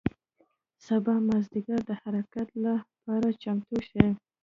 سبا مازدیګر د حرکت له پاره چمتو شئ.